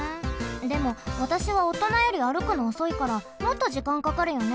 でもわたしはおとなより歩くのおそいからもっと時間かかるよね。